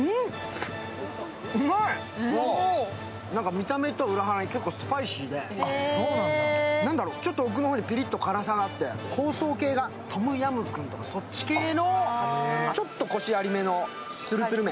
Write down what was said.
見た目とは裏腹に結構スパイシーでちょっと奥の方にぴりっと辛さがあって、香草系が、トムヤムクンとかそっち系、ちょっとコシありめのつるつる麺。